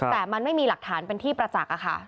แต่มันไม่มีหลักฐานเป็นที่ประจักษ์ค่ะ